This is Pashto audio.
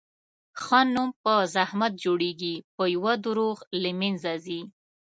ښه نوم په زحمت جوړېږي، په یوه دروغ له منځه ځي.